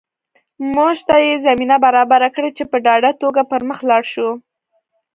موږ ته یې زمینه برابره کړې چې په ډاډه توګه پر مخ لاړ شو